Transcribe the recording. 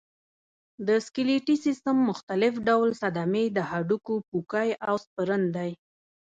د سکلیټي سیستم مختلف ډول صدمې د هډوکو پوکی او سپرن دی.